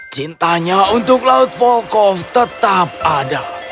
cintanya untuk laut vokal tetap ada